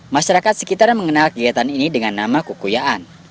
masyarakat sekitar mengenal kegiatan ini dengan nama kekuyaan